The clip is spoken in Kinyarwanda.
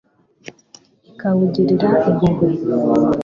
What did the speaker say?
ikawugirira impuhwe